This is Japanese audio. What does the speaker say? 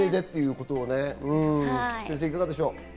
菊地先生、いかがでしょう？